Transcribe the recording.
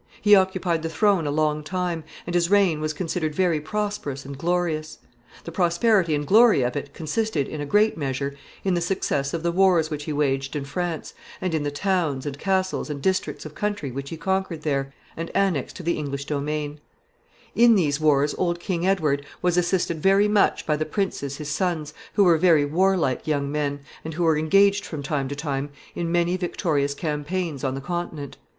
He occupied the throne a long time, and his reign was considered very prosperous and glorious. The prosperity and glory of it consisted, in a great measure, in the success of the wars which he waged in France, and in the towns, and castles, and districts of country which he conquered there, and annexed to the English domain. [Sidenote: The sons of Edward III.] In these wars old King Edward was assisted very much by the princes his sons, who were very warlike young men, and who were engaged from time to time in many victorious campaigns on the Continent.